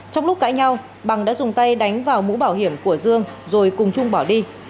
trong lúc cãi nhau bằng đã dùng tay đánh vào mũ bảo hiểm của dương rồi cùng trung bỏ đi